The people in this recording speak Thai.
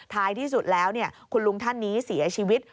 ท้ายที่สุดแล้วคุณลุงท่านนี้เสียชีวิต